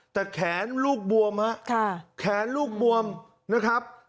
แต่แขนลูกบวมฮะแขนลูกบวมนะครับ